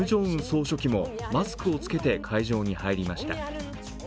総書記もマスクを着けて会場に入りました。